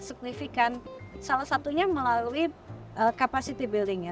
signifikan salah satunya melalui capacity building ya